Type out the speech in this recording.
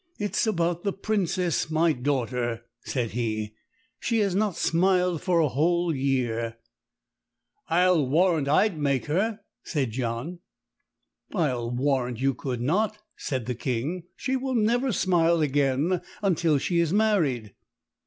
"It's about the Princess, my daughter," said he; "she has not smiled for a whole year." "I'll warrant I'd make her," said John. "I'll warrant you could not," said the King. "She will never smile again until she is married."